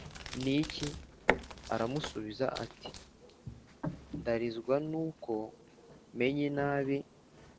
N iki aramusubiza ati ndarizwa n uko menye inabi